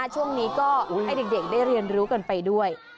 ช่วงนี้ก็ให้เด็กได้เรียนรู้กันไปด้วย